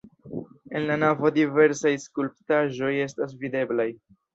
En la navo diversaj skulptaĵoj estas videblaj.